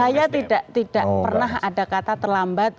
saya tidak pernah ada kata terlambat